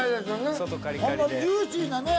このジューシーなね